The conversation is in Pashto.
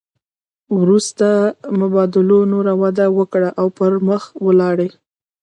وروسته مبادلو نوره وده وکړه او پرمخ ولاړې